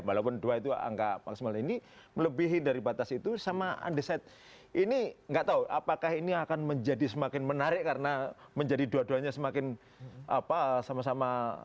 walaupun dua itu angka maksimal ini melebihi dari batas itu sama undecided ini nggak tahu apakah ini akan menjadi semakin menarik karena menjadi dua duanya semakin apa sama sama